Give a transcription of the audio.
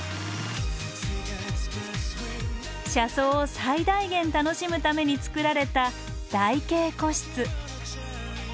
車窓を最大限楽しむためにつくられた台形個室。